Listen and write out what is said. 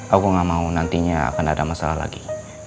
aku gak mau nantinya akan ada masalah lagi